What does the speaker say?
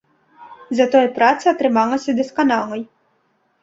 Затое праца атрымалася дасканалай.